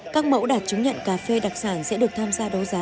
các mẫu đạt chứng nhận cà phê đặc sản sẽ được tham gia đấu giá